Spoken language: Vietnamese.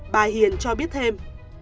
bà hiền cho biết thêm